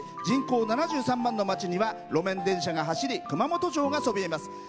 人口７３万の町には路面電車が走り熊本城がそびえます。